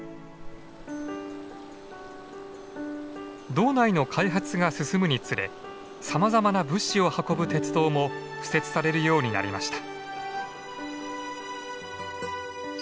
道内の開発が進むにつれさまざまな物資を運ぶ鉄道も敷設されるようになりました。